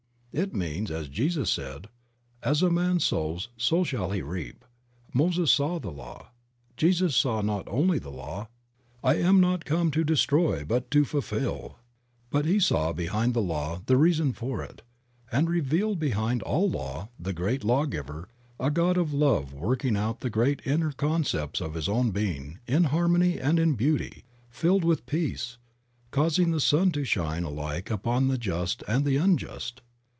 It means, as Jesus said, "As a man sows, so shall he reap." Moses saw the law. Jesus saw not only the law ("I am come not to destroy but to fulfill"), but he saw behind the law the reason for it, and revealed behind all law the Great Law giver, a God of love working out the great inner concepts of His own being in harmony and in beauty, filled with peace, causing the sun to shine alike upon the just and the unjust.